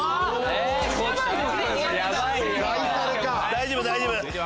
大丈夫大丈夫。